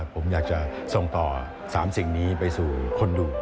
ผมอยากจะส่งต่อ๓สิ่งนี้ไปสู่คนดู